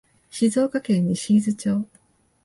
静岡県西伊豆町